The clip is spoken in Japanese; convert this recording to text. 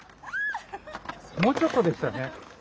もうちょっとでしたね。